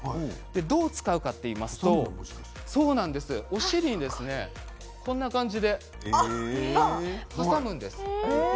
どうやって使うかといいますとお尻にこんな感じで挟むんです。